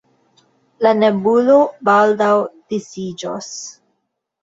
La nebulo baldaŭ disiĝos.